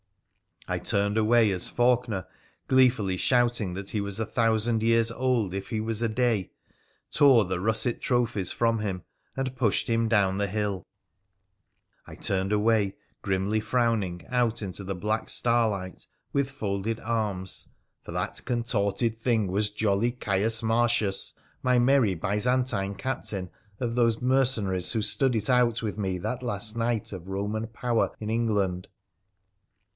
I turned away as Faulkener, gleefully shouting that he was a thousand years old if he was a day, tore the russet trophies from him, and pushed him down th< hill ; I turned away, grimly frowning, out into the black star light, with folded arms, for that contorted thing was jolly Caius Martius, my merry Byzantine captain of those mercen aries who stood it out with me that last night of Eoman power in England